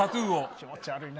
気持ち悪いな。